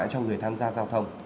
cho người tham gia giao thông